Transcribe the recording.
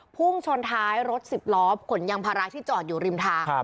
พุ่งชนท้ายรถสิบล้อขนยางพาราที่จอดอยู่ริมทาง